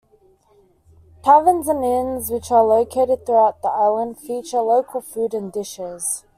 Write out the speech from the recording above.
Taverns and inns, which are located throughout the island, feature local food and dishes.